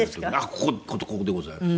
ここここでございます。